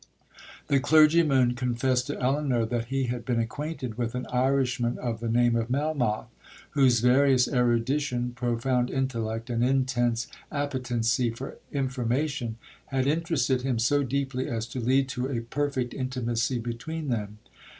'The clergyman confessed to Elinor that he had been acquainted with an Irishman of the name of Melmoth, whose various erudition, profound intellect, and intense appetency for information, had interested him so deeply as to lead to a perfect intimacy between them.